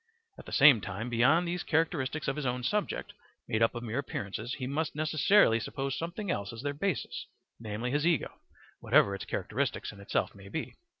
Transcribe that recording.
At the same time beyond these characteristics of his own subject, made up of mere appearances, he must necessarily suppose something else as their basis, namely, his ego, whatever its characteristics in itself may be.